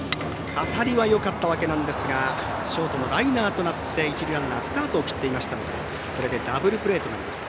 当たりはよかったわけなんですがショートのライナーとなって一塁ランナースタートを切っていましたのでこれでダブルプレーとなります。